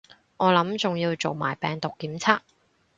我諗仲要做埋病毒檢測